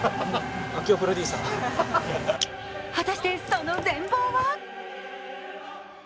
果たして、その全貌は？